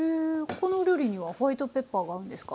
このお料理にはホワイトペッパーが合うんですか？